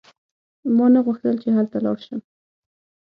ما ته غوښتل چې هلته لاړ شم.